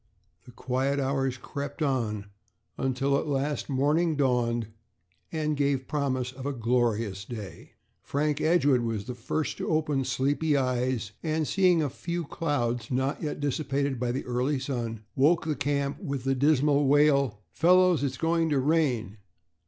The quiet hours crept on till at last morning dawned and gave promise of a glorious day. Frank Edgewood was the first to open sleepy eyes, and seeing a few clouds not yet dissipated by the early sun, woke the camp with the dismal wail: "Fellows, it's going to rain."